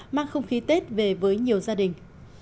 mang không khí tết về với nhiều gia đình